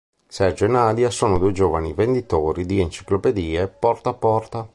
Sergio e Nadia sono due giovani venditori di enciclopedie porta a porta.